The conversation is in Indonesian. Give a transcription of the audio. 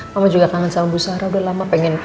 mbak mbak juga kangen sama busara udah lama pengen update